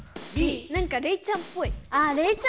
なんかレイちゃんぽい。